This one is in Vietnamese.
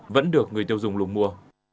vẫn được người tiêu dùng lùng mua